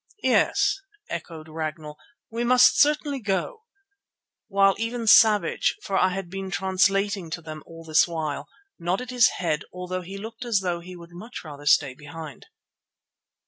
"Yes," echoed Ragnall, "we must certainly go," while even Savage, for I had been translating to them all this while, nodded his head although he looked as though he would much rather stay behind.